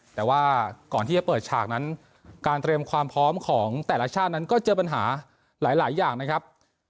แต่ว่าก่อนที่จะเปิดฉากนั้นการเตรียมความพร้อมของแต่ละชาตินั้นก็เจอปัญหาหลายอย่างนะครับ